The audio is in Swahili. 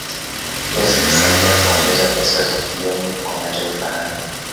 Pia zimesaidaia kuongeza pesa za kigeni kwa mataifa hayo